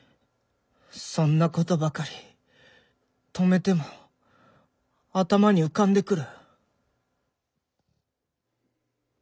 そんなことばかり止めても頭に浮かんでくる。